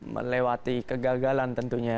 melewati kegagalan tentunya